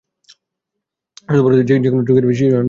শুধু বড়দিন নয়, যেকোনো ছুটির দিনে শিশুর আনন্দ থাকে সবচেয়ে বেশি।